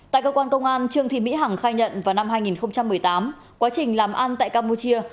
tại cơ quan công an trương thị mỹ hằng khai nhận vào năm hai nghìn một mươi tám quá trình làm ăn tại campuchia